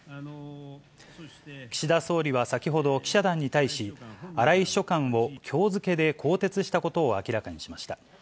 岸田総理は先ほど、記者団に対し、荒井秘書官をきょう付けで更迭したことを明らかにしました。